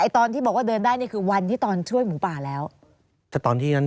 ตอนนั้นยังได้รึเปล่าครับ